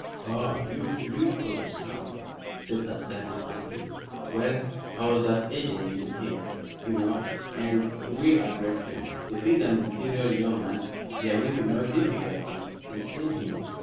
"Ah! you plead for the scamp," said Sir Simon, angrily. "Well, I was at Eton with him, you know, and we are great friends. If he is an Imperial Yeoman there will be no difficulty in seeing him."